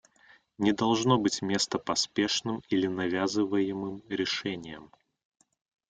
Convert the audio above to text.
Не должно быть места поспешным или навязываемым решениям.